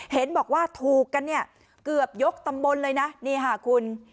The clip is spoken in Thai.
เห็นบอกว่าถูกกันเนี่ยเกือบยกตำบลเลยนะนี่ค่ะคุณ